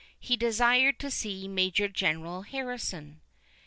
He desired to see Major General Harrison."